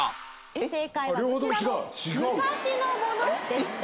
正解はどちらも昔のものでした。